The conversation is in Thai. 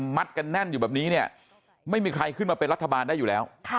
มัดกันแน่นอยู่แบบนี้เนี่ยไม่มีใครขึ้นมาเป็นรัฐบาลได้อยู่แล้ว